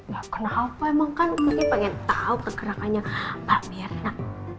ya kenapa emang kan gue pengen tahu pergerakannya pak mirna